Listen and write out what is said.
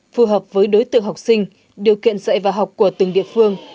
phù hợp với đối tượng học sinh điều kiện dạy và học của từng địa phương